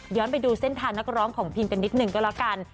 ย้อนไปดูเส้นทานักร้องของพิมเป็นนิดหนึ่งก็ละกัน